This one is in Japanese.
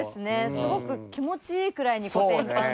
すごく気持ちいいくらいにコテンパン。